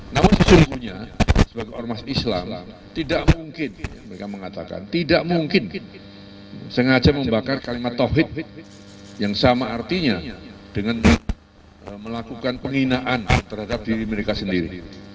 namun sesungguhnya sebagai ormas islam tidak mungkin mereka mengatakan tidak mungkin sengaja membakar kalimat tauhid yang sama artinya dengan melakukan penghinaan terhadap diri mereka sendiri